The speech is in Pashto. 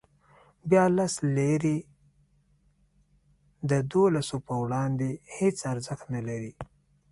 بیا لس لیرې د دولسو په وړاندې هېڅ ارزښت نه لري.